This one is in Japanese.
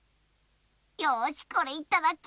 よしこれいただき！